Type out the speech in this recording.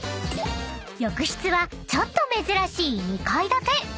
［浴室はちょっと珍しい２階建て］